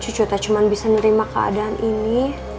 cucu teh cuma bisa nerima keadaan ini